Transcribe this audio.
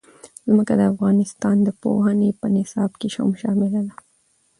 ځمکه د افغانستان د پوهنې په نصاب کې هم شامل دي.